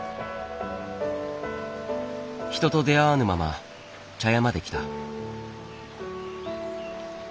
人と出会わぬまま茶屋まで来た。